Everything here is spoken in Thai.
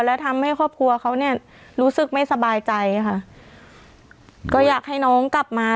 แล้วทำให้ครอบครัวเขาเนี่ยรู้สึกไม่สบายใจค่ะก็อยากให้น้องกลับมา